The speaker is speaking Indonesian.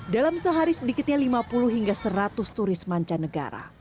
dalam sehari sedikitnya lima puluh hingga seratus turis mancanegara